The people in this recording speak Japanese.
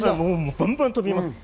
バンバン飛びます。